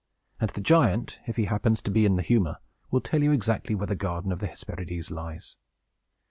And the giant, if he happens to be in the humor, will tell you exactly where the garden of the Hesperides lies."